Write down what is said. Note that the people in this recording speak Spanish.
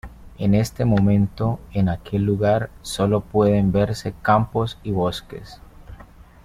En estos momentos en aquel lugar solo pueden verse campos y bosques.